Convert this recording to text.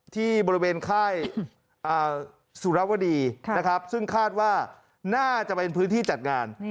ที่บริเวณค่ายสุรวดีนะครับซึ่งคาดว่าน่าจะเป็นพื้นที่จัดงาน